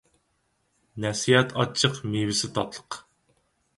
نەسىھەت ئاچچىق، مېۋىسى تاتلىق.